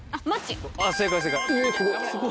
正解正解。